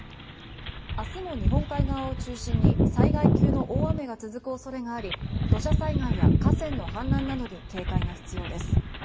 明日も日本海側を中心に災害級の大雨が続く恐れがあり土砂災害や河川の氾濫などに警戒が必要です。